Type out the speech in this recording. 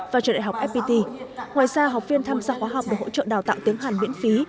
và trường đại học fpt ngoài ra học viên tham gia khóa học để hỗ trợ đào tạo tiếng hàn miễn phí